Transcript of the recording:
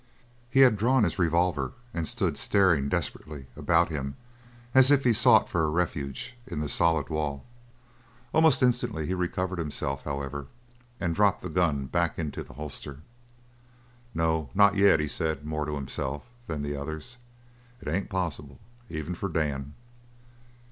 He had drawn his revolver and stood staring desperately about him as if he sought for a refuge in the solid wall. Almost instantly he recovered himself, however, and dropped the gun back into the holster. "No, not yet," he said, more to himself than the others. "It ain't possible, even for Dan."